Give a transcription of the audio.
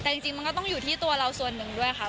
แต่จริงมันก็ต้องอยู่ที่ตัวเราส่วนหนึ่งด้วยค่ะ